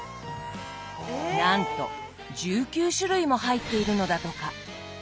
なんと１９種類も入っているのだとか。